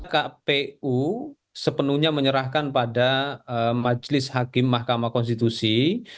kpu sepenuhnya menyerahkan pada majelis hakim mahkamah konstitusi